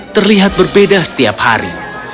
terlihat berbeda setiap hari